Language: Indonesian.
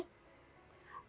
sebelum waktu sd